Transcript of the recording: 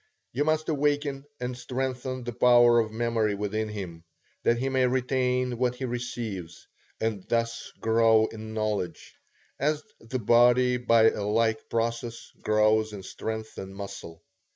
You must awaken and strengthen the power of memory within him, that he may retain what he receives, and thus grow in knowledge, as the body by a like process grows in strength and muscle.